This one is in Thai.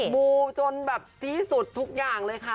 มูจนแบบที่สุดทุกอย่างเลยค่ะ